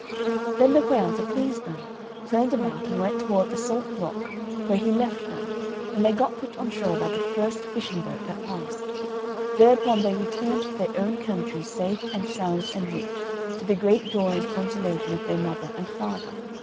Then the whale, to please them, turned about and went toward the Salt rock, where he left them; and they got put on shore by the first fishing boat that passed. Thereupon they returned to their own country, safe and sound and rich, to the great joy and consolation of their mother and father.